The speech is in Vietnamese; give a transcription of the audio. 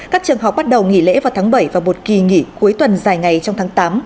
các trường học bắt đầu nghỉ lễ vào tháng bảy và một kỳ nghỉ cuối tuần dài ngày trong tháng tám